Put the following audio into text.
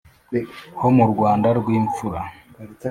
ho mu rwanda rw'imfura